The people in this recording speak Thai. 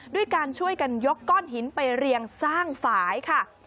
ด้วยการช่วยกันยกก้อนหินไปเรียงสร้างฝ่ายค่ะ